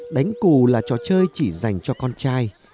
đánh cù là trò chơi chỉ dành cho con trai